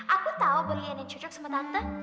aku tahu berlian yang cocok sama tante